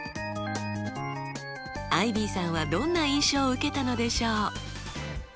アイビーさんはどんな印象を受けたのでしょう？